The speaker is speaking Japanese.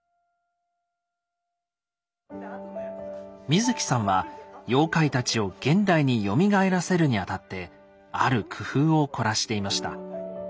水木さんは妖怪たちを現代によみがえらせるにあたってある工夫を凝らしていました。